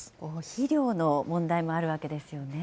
肥料の問題もあるわけですよね。